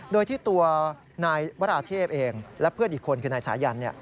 โดยที่ตัวนายวราเทพเองและเพื่อนอีกคนคือนายสายัน